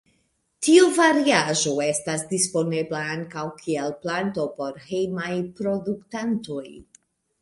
Tiu variaĵo estas disponebla ankaŭ kiel planto por hejmaj produktantoj.